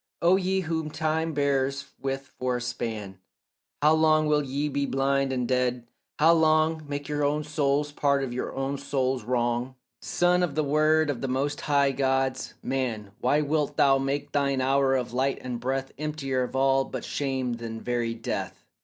O ye whom time but bears with for a span, How long will ye be blind and dead, how long Make your own souls part of your own soul's wrong? Son of the word of the most high gods, man, Why wilt thou make thine hour of light and breath Emptier of all but shame than very death?